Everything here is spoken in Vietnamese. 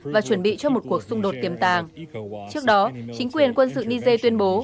và chuẩn bị cho một cuộc xung đột tiềm tàng trước đó chính quyền quân sự niger tuyên bố